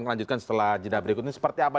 melanjutkan setelah jeda berikutnya seperti apa